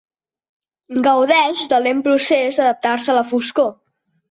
Gaudeix del lent procés d'adaptar-se a la foscor.